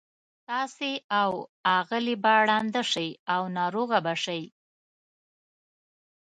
تاسي او آغلې به لانده شئ او ناروغه به شئ.